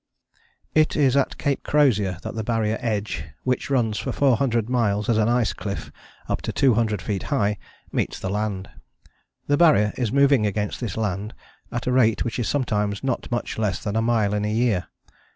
It is at Cape Crozier that the Barrier edge, which runs for four hundred miles as an ice cliff up to 200 feet high, meets the land. The Barrier is moving against this land at a rate which is sometimes not much less than a mile in a year.